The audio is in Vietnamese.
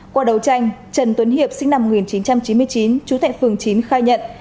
qua đấu tranh trần tuấn hiệp sinh năm một nghìn chín trăm chín mươi chín chú tại phường chín khai nhận